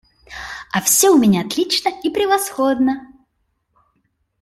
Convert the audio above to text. А все у меня отлично и превосходно.